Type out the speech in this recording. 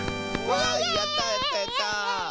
わいやったやったやった！